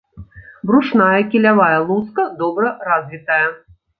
Брушная кілявая луска добра развітая.